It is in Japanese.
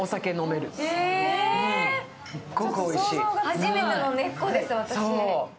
初めての根っこです、私。